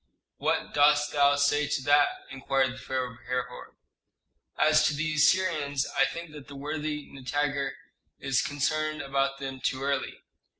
"What dost thou say to that?" inquired the pharaoh of Herhor. "As to the Assyrians, I think that the worthy Nitager is concerned about them too early.